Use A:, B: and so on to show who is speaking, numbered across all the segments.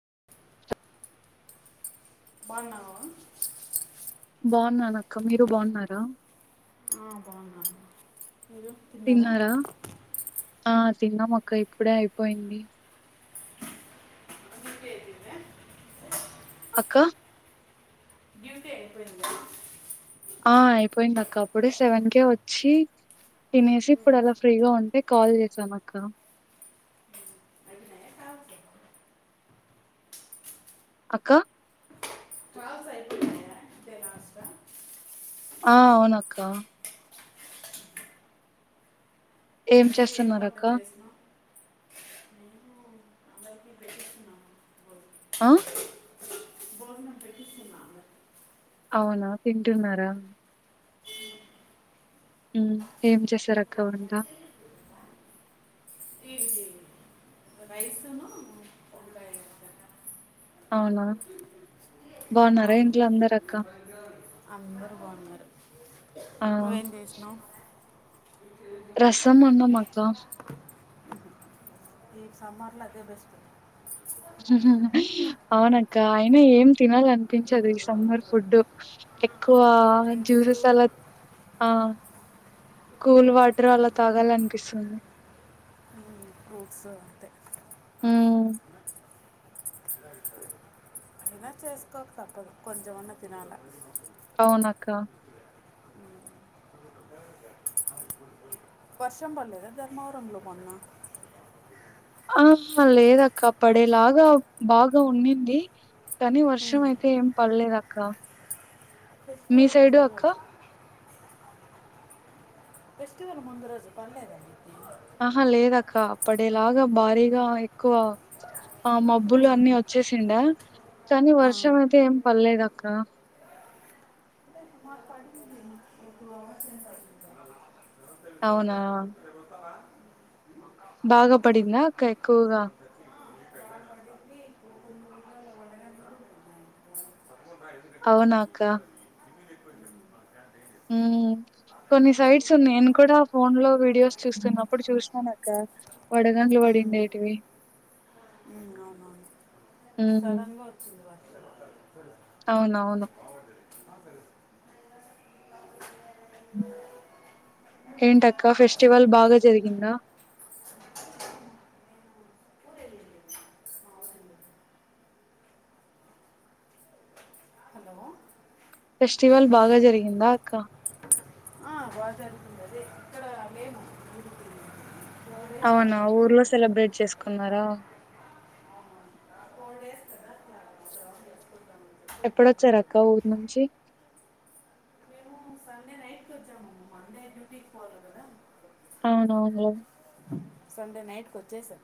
A: [inaudible] బావున్నావా
B: బాగున్నానక్క మీరు బాగున్నారా
A: ఆ, బాగున్నాను మీరు తిన్నారా
B: ఆ తిన్నాం అక్క ఇప్పుడే అయిపోయింది
A: [unintelligible]
B: అక్కా
A: డ్యూటీ అయిపోయిందా
B: ఆ అయిపోయింది అక్క అప్పుడు సెవెన్ కేే వచ్చి తినేసి ఇప్పుడు అలా ఫ్రీగా ఉంటే కాల్ చేసాను అక్క
A: అయిపోయినాయా కాల్స్
B: అక్కా
A: కాల్స్ అయిపోయినాయా అంటే లాస్ట్
B: ఆ అవునాక్క ఏం
A: అందరూ
B: చేస్
A: ఏం వంట చేసినవ్ అందరికీ పెట్టిస్తున్నాను భోజనం.
B: ఆ
A: [unintelligible]
B: అవునా తింటున్నారా ఉ ఏం చేసారు అక్క వంట
A: [unintelligible] రైస్ ఉన్నూ వంకాయి [unintelligible]
B: అవునా బాగున్నారా ఇంట్లో అందరు
A: అందరు బాగున్నారు
B: ఆ
A: నువ్వేం చేసినవ్
B: రసం అన్నం అక్క
A: ఈ సమ్మార్లో అదే బెస్ట్
B: హుహు అవునక్క అయిన ఏం తినాలనిపించి ఈ సమ్మర్ ఫుడ్ ఎక్కువ
A: కూల్ డ్రింక్స్
B: జ్యూసెస్ అలా ఆ కూల్ వాటర్ అలా తాగాలనిపిస్తుంది
A: ఫ్రూట్స్ అంతే
B: ఉమ్
A: అయినా చేసుకోక తప్పదు కొంచమన్నా తినాలా
B: అవునాక్క
A: వర్షం పడలేదా ధర్మవరంలో మోన్నా
B: ఆ హా లేదక్క పడేలాగా బాగా ఉండింది కానీ వర్షం అయితే ఏం పడ్లేదక్క మీ
A: ఫెస్టివల్
B: సైడు
A: ముందు
B: అక్క
A: రోజు ఫెస్టివల్ ముందు రోజు పడ్లేదా మీ
B: ఆహా లేదక్క పడేలాగా భారీగా ఎక్కువ ఆ మబ్బులు అన్ని వచ్చేసిండ కానీ వర్షం అయితే ఏం పడ్లేదక్క
A: మాకు పడింది ఒక టూ అవర్స్ ఏం పడింది
B: అవునా
A: బా [inaudible]
B: బాగా పడిందా అక్క ఎక్కువగా
A: పడింది ఇప్పుడు కొన్ని ఊర్లలో వడగండ్లు కూడా ఉన్నాయి.
B: అవునాక్క మ్ కొన్ని సైట్స్ నేన్ కూడా ఫోన్లో వీడియోస్ చూస్తున్నప్పుడు చూసినానక్క వడగన్లు పడిండిటివి
A: అవునవును
B: ఉమ్
A: సడన్గా వచ్చింది వ
B: అవునవును ఏంటక్క ఫెస్టివల్ బాగా జరిగిందా
A: హలో
B: ఫెస్టివల్ బాగా జరిగిందా అక్కా
A: ఆ బా జరుగుతుంది అదే ఇక్కడ మేము
B: అవునా ఊర్లో సెలబ్రేట్ చేస్కున్నరా
A: ఆ, ఫోర్ డేస్ కదా అట్లా గ్రౌండ్ చేసుకుంటామని చెప్పి అట్లే
B: ఎప్పుడొచ్చార్
A: ఉంటుంది.
B: అక్క ఊర్ నుంచి
A: మేము సండే నైట్ కొచ్చాము మండే డ్యూటీకి పోవాల కదా
B: అవునవున్లే
A: సండే నైట్ కొచ్చేసాం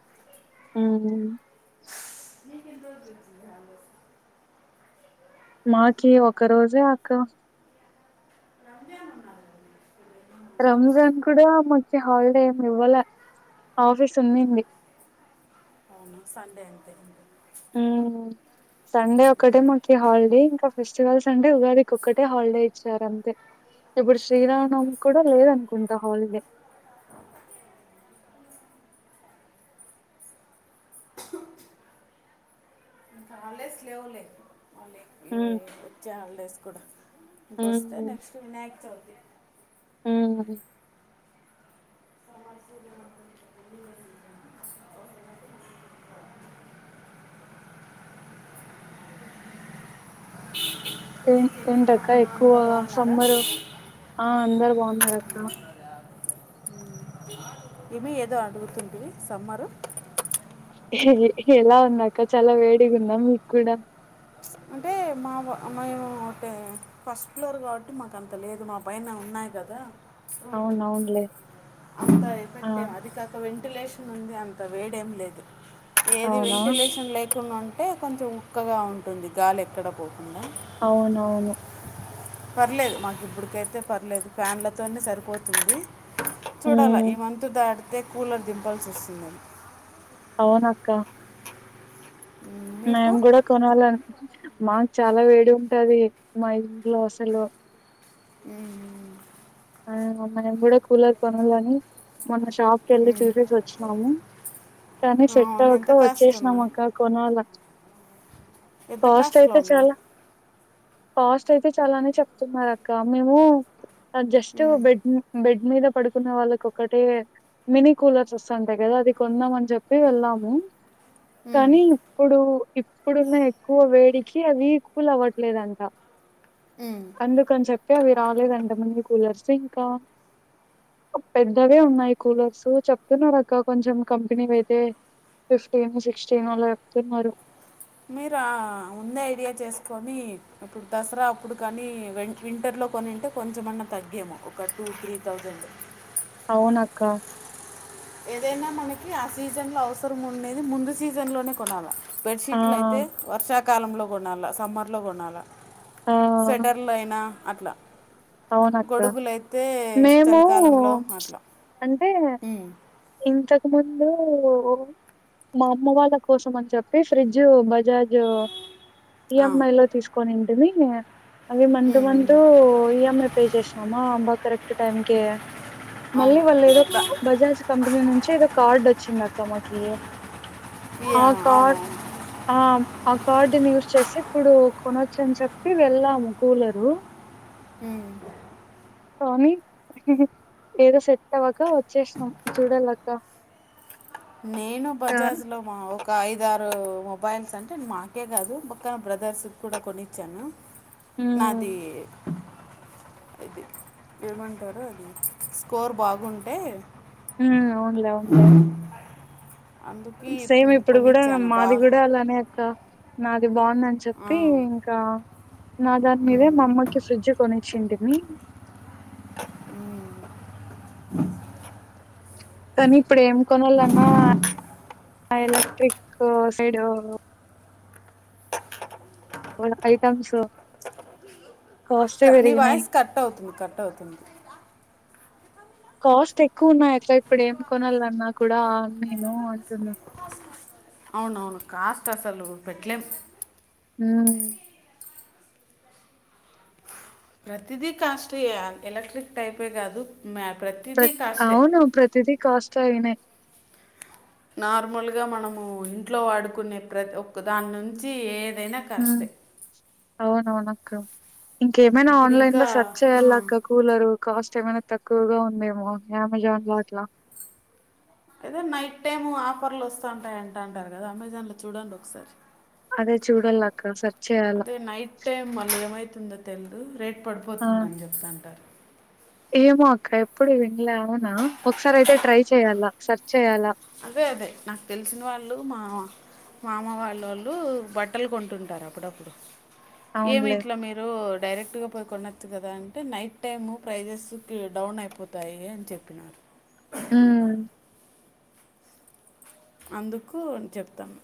B: మ్
A: [inaudible]
B: మాకి ఒక రోజే అక్క
A: రంజాన్ ఉన్నారు కదా మీకు. రంజాన్ ఉన్నారు.
B: రంజాన్ కూడా మాకి హాలిడే ఏం ఇవ్వాల ఆఫీస్ ఉన్నింది
A: సండే అంతే
B: మ్ సండే ఒకటే మాకి హాలిడే ఇంకా ఫెస్టివల్ సండే ఉగాదికి ఒక్కటే హాలిడే ఇచ్చార్ అంతే ఇప్పుడు శ్రీరామనవమి కూడా లేదనుకుంటా హాలిడే
A: హాల్డేస్ లేవు లే
B: మ్
A: వచ్చే హాల్డేస్ కూడా ఇంకొస్తే
B: ఉమ్
A: నెక్స్ట్ వినాయక్ చవితి
B: ఉమ్ ఏ ఎంటక్క ఎక్కువగా
A: బాగున్నారా
B: సమ్మర్ ఆ అందరు బాగున్నార్ అక్క
A: ఏమి ఏదో అడుగుతుంటి సమ్మర్
B: ఎ ఎలా ఉందక్క చాలా వేడిగుందా మీక్ కూడా
A: అంటే మా మేము అంటే ఫస్ట్ ఫ్లోర్ కాబట్టి మాక్ అంత లేదు మా పైన ఉన్నాయి కదా ఓ
B: అవును అవునులే
A: అంత
B: ఆ
A: ఎఫెక్ట్ అది కథ వెన్ వెంటిలేషన్ ఉంది అంత వేడేం లేదు ఏది
B: అవునా
A: వెంటిలేషన్ లేకుండా ఉం టే కొంచెం ఉక్కగా ఉంటుంది. గాలి ఎక్కడ పోకుండా
B: అవునవును
A: పర్లేదు మాక్ ఇప్పుటికైతే పర్లేదు ఫ్యాన్లతోనే సరిపోతుంది. చూడాలా
B: ఉమ్
A: ఈ మంతు దాటితే కూలర్ దింపల్సి వస్తుందేమో
B: అవునక్క
A: మ్మ్, మీకు
B: నేన్ గుడా కొనాలన్ మాక్ చాలా వేడి ఉంటది మా ఇంట్లో అసలు
A: ఉహు
B: ఆ మేం కూడా కూలర్ కొనాలని మొన్న షాప్ కేళ్ళి చూసేసిసోచ్చి న్నాము కానీ సెట్
A: అవును
B: అవ్వక
A: ఎంత కాస్ట్
B: వచ్చేసినాం
A: ఉన్నాయి
B: అక్క కొనాల
A: ఎంత
B: కాస్ట్
A: కాస్ట్లో
B: అయితే
A: ఉన్నాయి
B: చాలా కాస్ట్ అయితే చాలానే చెప్తున్నారు అక్క మేము అడ్జస్ట్ టు బెడ్ బెడ్ మీద పడుకునే వాళ్ళకి ఒకటే మినీ కూలర్స్ వస్తంటాయి కదా అది కొందామ్ మని చెప్పి వెళ్ళాము
A: మ్మ్,
B: కానీ ఇప్పుడు ఇప్పుడున్న ఎక్కువ వేడికి అవి కూల్ అవ్వట్లేదంట
A: మ్మ్.
B: అందుకని చెప్పి అవి రాలేదు అంటా ముందు కూలర్స్ ఇంకా పెద్దవే ఉన్నాయి కూలర్స్ చెప్తున్నారు అక్క కొంచెం కంపెనీవయితే ఫిఫ్టీన్ సిక్స్టీన్ అలా చెప్తున్నారు
A: మీరు ఉందే ఐడియా చేసుకొని ఇప్పుడు దసరా అప్పుడు కానీ వేన్ వింటర్ లో కొనింటే కొంచమన్నా తగ్గేము ఒక టూ త్రీ థౌజండ్
B: ఒన్ అక్క
A: ఏదైనా మనకి ఆ సీజన్లో అవసరం ఉండేది ముందు సీజన్లోనే కొనాల బెడ్
B: ఆ
A: షీట్ లైతే వర్ష కాలంలో కొనాల సమ్మర్ లో కొనాల
B: ఆ
A: స్వెటర్లు అయినా అట్లా
B: అవునక్క
A: గొడుగులయితే
B: మేము
A: చలికాలంలో అట్లా
B: అంటే
A: ఊ
B: ఇంతకు ముందు ఓ మా అమ్మవాళ్ళ కోసమనిచెప్పి ఫ్రిడ్జ్ బజాజ్ ఇ
A: ఆ,
B: ఎం ఐ లో తీసుకొనింటిని అవి మంత్
A: ఉమ్.
B: మంత్ ఈఎంఐ పే చేసినామా అమ్మా కరెక్ట్ టైమ్ కే మళ్ళీ
A: అవును
B: వాళ్ళేదో
A: ద-
B: బజాజ్ కంపెనీ నుంచి ఏదో కార్డ్ వచ్చింది అక్క మాకి
A: యా,
B: ఆ కార్డ్
A: అవునవును
B: ఆ ఆ కార్డుని యూస్ చేసి ఇప్పుడు కొనొచ్చు అని చెప్పి వెళ్ళాం కూలరు
A: హ్మ్
B: కానీ ఉహ్ ఉహ్ ఏదో సెట్ అవ్వక వచ్చేసినాం చూడాలక్క
A: నేను
B: ఆ
A: బజాజ్ లో మా ఓక్ ఒక ఐదారు మొబైల్స్ అంటే మాకే కాదు ఒక బ్రదర్స్ కూడా కొనిచ్చాను
B: ఉమ్
A: నాది ఇది ఏమంటారు అది స్కోర్ బాగుంటే
B: ఉ అవున్లే అవున్లే
A: అందుకే
B: సేమ్
A: మ్,
B: ఇప్పుడు కూడా
A: కొనిచ్చాను బా
B: మాది కూడా అలానే అక్క నాది బాగుందని
A: ఆ.
B: చెప్పి ఇంకా నా దాని మీదే మా అమ్మకి ఫ్రిడ్జ్ కొని చ్చింటిమీ
A: ఉ
B: కాని ఇప్పుడు ఏం కొనాలన్నా అ ఎలాట్రిక్ సైడు వాళ్ళ ఐటమ్స్ కాస్టే
A: అక్క నీ
B: పెరిగినాయి
A: వాయిస్ కట్ అవుతుంది కట్ అవుతుంది
B: కాస్ట్ ఎక్కువ ఉన్నాయి అక్క ఇప్పుడు ఏం కొనాలన్నా కూడా నేను అంటున్నా [inaudible]
A: అవునవును కాస్ట్ అసలు పెట్టలేం
B: హు
A: ప్రతిదీ కాస్ట్యే ఎలక్ట్రిక్ టైపే కాదు మ్య
B: ప్ర
A: ప్రతిది కాస్టే
B: అవును ప్రతిదీ కాస్ట్ అయినాయి
A: నార్మల్గా మనము ఇంట్లో వాడుకునే ప్రత్ ఒక్కదానుంచి ఏద్ దైనా
B: ఉమ్,
A: కాస్టే
B: అవునవును అక్క ఇంకేమైనా
A: ఇప్పుడు
B: ఆన్లైన్
A: ఇంకా
B: లో సెర్చ్
A: ఆ,
B: చేయాలి అక్క కూలరు కాస్ట్ ఇంకేమైనా తక్కువగా ఉందేమో అమెజాన్ లో అట్లా
A: అయితే నైట్ టైమ్ ఆఫర్లు వస్తాంటాయింట అంటారు కదా అమెజాన్ లో చూడండి ఒకసారి
B: అదే చూడాలక్క సెర్చ్ చేయాల
A: అదే నైట్ టైం మల్లా ఏమైతుందం తెల్దు రేట్
B: ఆ
A: పడిపోతుందని చెప్త అంటారు
B: ఏమో అక్క ఎప్పుడు వినలే అవునా ఒకసారి అయితే ట్రై చెయ్యాలా సెర్చ్ చేయాలా
A: అదే అదే నాకు తెలిసిన వాళ్ళు మామ్ మామ వాల్లొళ్ళు బట్టలు కొంటుంటారు అప్పుడప్పుడు ఏమి
B: అవునులే
A: ఇట్లా మీరు డైరెక్ట్ గా పోకోనోచ్ చ్చు కదా అంటే నైట్ టైము ప్రైజెస్కి డౌన్ అయిపోతాయి అని చెప్పినారు.
B: ఊ
A: అందుకు అనిచెప్తాను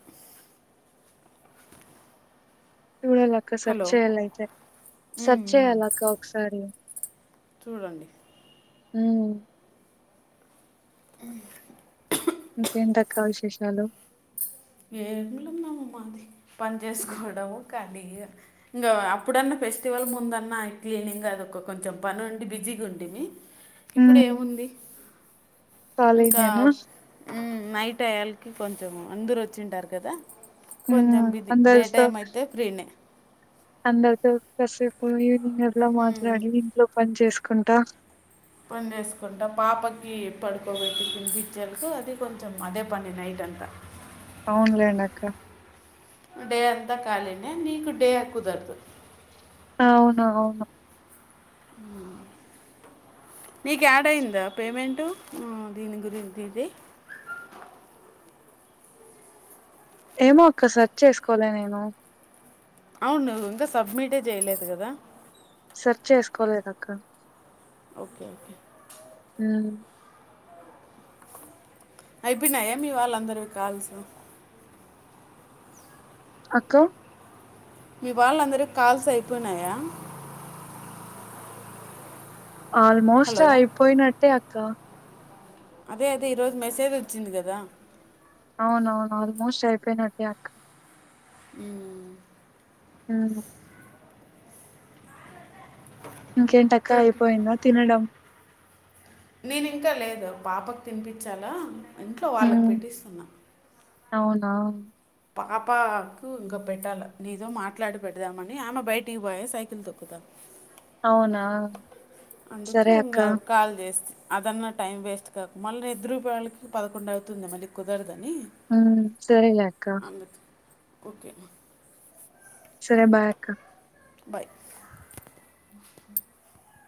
B: చూడల అక్క సర్చ్
A: హలో
B: చేయాలయితే
A: ఉమ్,
B: సర్చ్
A: ఉమ్.
B: చేయాల అక్క ఒకసారి
A: చూడండి
B: ఊ
A: అ
B: ఇంకేంటి అక్క విశేషాలు
A: ఏంలు ఉన్నాము మాది పని చేసుకోవడం ఖాళీగా ఇంకా అప్పుడన్న ఫెస్టివల్ ముందన్న క్లీనింగ్ అది ఒక కొంచెం పని ఉండి బిజీగా ఉండి మీ ఇప్పుడు
B: ఉమ్
A: ఏముంది ఇంకా
B: ఖాళీనేనా
A: నైట్ ఉమ్ అయ్యాలకి కొంచెం అందరు వచ్చింటారు కదా
B: ఆ
A: కొంచెం బిజీ డే
B: అందరితో
A: టైం
B: స్
A: అయితే ఫ్రీనే
B: అందరుతో బస్ పోయి ఈవినింగ్ అట్లా
A: మ్,
B: మాట్లాడి ఇంట్లో పని చేసుకుంటా
A: పని చేేసుకుంటా పాపకి పడుకోబట్టి తినిపించేలకే అది కొంచెం అదే పని నైట్ అంత
B: అవునులేండి అక్క
A: డే అంతా కాలినే నీకు డే కుదరదు
B: అవును అవును
A: నీకు యాడ్ అయింద పేమెంట్ ఆ దీన గురి దీదే
B: ఏమో అక్క సర్చ్ చేసుకోలే నేను
A: అవును ఇంకా సబ్మిటే జేయలేదు కదా
B: సర్చ్ చేసుకోలేదాక్క
A: ఓకే ఓకే
B: ఉ
A: అయిపోయినాయ మీ వాళ్ళందరివి కాల్సు
B: అక్క
A: మీ వాళ్ళ అందరువి కాల్స్ అయిపోయినాయా
B: ఆల్మోస్ట్
A: హలో
B: అయిపోయినట్టే అక్క
A: అదే అదే ఈరోజు మెసేజ్ వచ్చింది కదా
B: అవునవును ఆల్మోస్ట్ అయిపోయినట్టే అక్క
A: ఊ
B: అవును ఇంకేంటక్క అయిపోయింద తినడం
A: నేను ఇంకా లేదు పాపకు తినిపించాలా ఇంట్లో వాళ్ళకు
B: హ్మ్.
A: పెట్టిస్తున్నా
B: అవునా
A: పాపకు ఇంకా పెట్టాలి నీతో మాట్లాడి పెడదామని ఆమె బయటికి పోయే సైకిల్ తొక్కుతాం
B: అవునా
A: అందుకు
B: సరే
A: ఉంగ
B: అక్క.
A: కాల్స్ అదన్నా టైం వేస్ట్ కాక మళ్ళీ నిద్రూపోయళ్ళకి పదకొండు అవుతుంది మళ్ళీ కుదరదు
B: ఉమ్ సరలే అక్క
A: అందుకు ఓకే
B: సరే బాయ్ అక్క
A: బాయ్